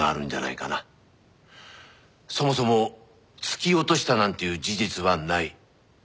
そもそも突き落としたなんていう事実はない。